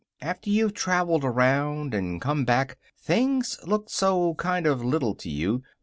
After you've traveled around, and come back, things look so kind of little to you.